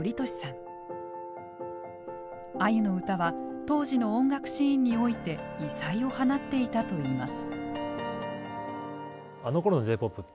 あゆの歌は当時の音楽シーンにおいて異彩を放っていたといいます。